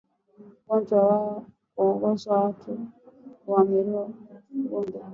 Ugonjwa wa kuoza kwato huwaathiri ngombe